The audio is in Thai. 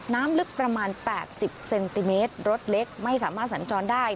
น้ำลึกประมาณ๘๐เซนติเมตรรถเล็กไม่สามารถสัญจรได้